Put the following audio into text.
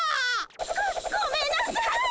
ごごめんなさい！